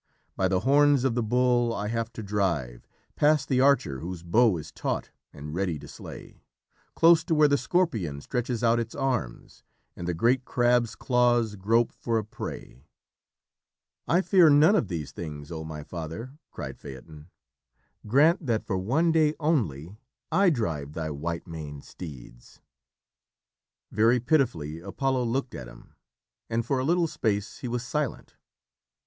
By the horns of the Bull I have to drive, past the Archer whose bow is taut and ready to slay, close to where the Scorpion stretches out its arms and the great Crab's claws grope for a prey...." "I fear none of these things, oh my father!" cried Phaeton. "Grant that for one day only I drive thy white maned steeds!" Very pitifully Apollo looked at him, and for a little space he was silent.